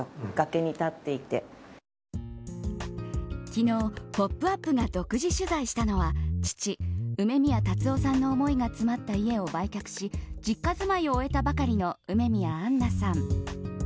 昨日「ポップＵＰ！」が独自取材したのは父・梅宮辰夫さんの思いが詰まった家を売却し実家じまいを終えたばかりの梅宮アンナさん。